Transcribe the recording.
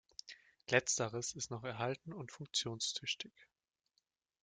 Letzteres ist noch erhalten und funktionstüchtig.